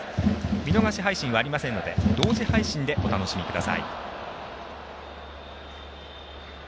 見逃し配信はありませんので同時配信でお楽しみください。